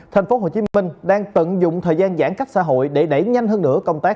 tp hcm đang tận dụng thời gian giãn cách xã hội để đẩy nhanh hơn nữa công tác